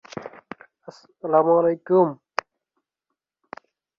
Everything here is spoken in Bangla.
কিন্তু যখন আরো বিভিন্ন রকম অক্ষর যোগ করা হবে এই সংখ্যা বাড়বে।